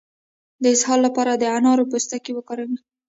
د اسهال لپاره د انارو پوستکی وکاروئ